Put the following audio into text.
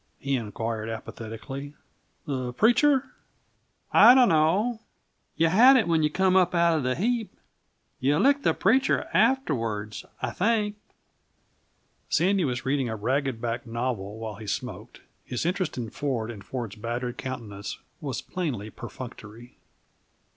he inquired apathetically. "The preacher?" "I d' know. You had it when you come up outa the heap. You licked the preacher afterwards, I think." Sandy was reading a ragged backed novel while he smoked; his interest in Ford and Ford's battered countenance was plainly perfunctory.